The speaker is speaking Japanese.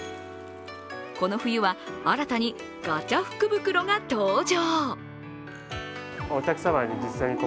この冬は、新たにガチャ福袋が登場。